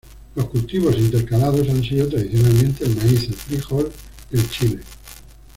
Los cultivos intercalados han sido tradicionalmente el maíz, el frijol, el chile.